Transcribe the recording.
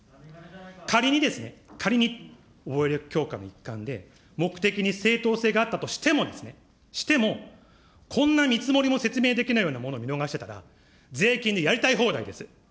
仮にですね、仮に防衛力強化の一環で目的に正当性があったとしてもですね、しても、こんな見積もりも説明できないようなものを見逃してたら、税金でやりたい放題です。